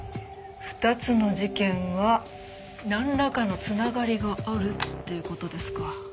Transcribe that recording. ２つの事件はなんらかの繋がりがあるっていう事ですか。